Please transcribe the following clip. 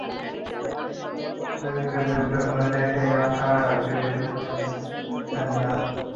আয়ারল্যান্ডের বিপক্ষে হল্যান্ডের সেই রান তাড়া টিভিতে পুরোটাই দেখেছেন দিনেশ চান্ডিমাল।